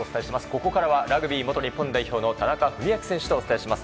ここからはラグビー元日本代表の田中史朗選手とお伝えします。